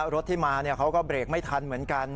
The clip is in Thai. รถที่มาเขาก็เบรกไม่ทันเหมือนกัน